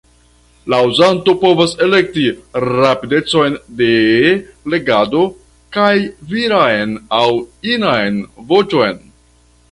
La uzanto povas elekti rapidecon de legado kaj viran aŭ inan voĉon.